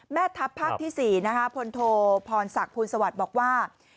แม่ทัพภาคที่๔พลโทพรศักดิ์ภูลสวัสดิ์บอกว่า